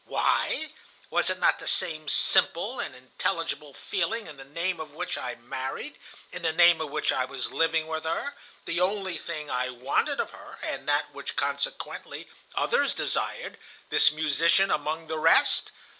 "Why? Was it not the same simple and intelligible feeling in the name of which I married, in the name of which I was living with her, the only thing I wanted of her, and that which, consequently, others desired, this musician among the rest?